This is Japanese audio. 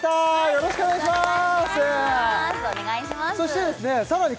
よろしくお願いします